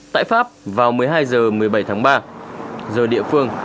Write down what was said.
tại pháp vào một mươi hai h một mươi bảy tháng ba giờ địa phương